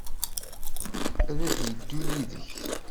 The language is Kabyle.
Ad d-yeddu yid-k?